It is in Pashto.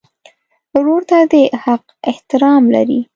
ورور ته د حق احترام لرې.